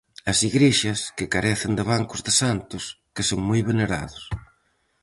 As igrexas, que carecen de bancos de santos, que son moi venerados.